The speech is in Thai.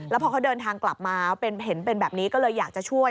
พอเขาเดินทางกลับมาเห็นเป็นแบบนี้ก็เลยอยากจะช่วย